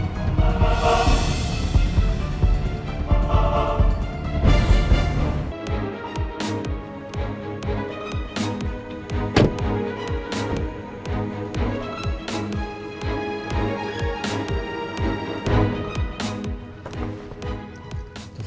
terima kasih pak